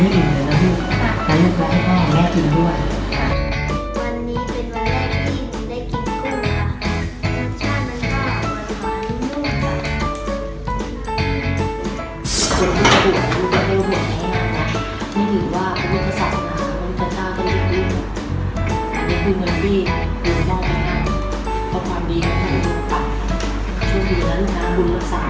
วันนี้เป็นวันแรกที่หนูได้กินคุณค่ะรสชาติมันกล้ามันคล้ายที่นู่นค่ะ